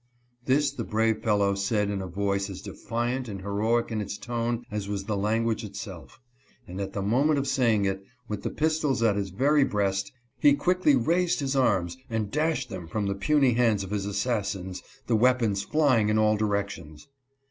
This the brave fellow said in a voice as defiant and heroic in its tone as was the language itself ; and at the moment of saying it, with the pistols at his very breast, he quickly raised his arms and dashed them from the puny hands of his assassins, the weapons flying in all directions.